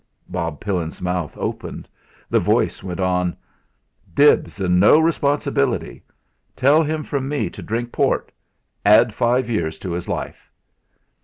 Bob Pillin's mouth opened. The voice went on: "Dibs and no responsibility. Tell him from me to drink port add five years to his life."